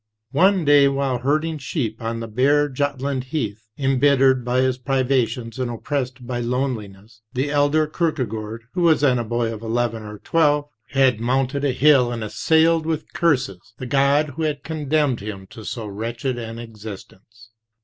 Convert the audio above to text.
One day while herding sheep on the bare Jutland heath, em bittered by his privations and oppressed by loneliness, the elder Kierkegaard, who was then a boy of eleven or twelve, had mounted a hill and assailed with curses the God who had condemned him to so wretched an existence.